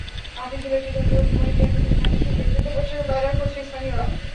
কাছেই ছিল একটি ঝকঝকে বিপণিকেন্দ্র, যেখানে সুসজ্জিত পোশাকে বাজার করছে স্থানীয়রা।